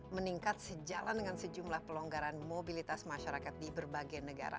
meningkat sejalan dengan sejumlah pelonggaran mobilitas masyarakat di berbagai negara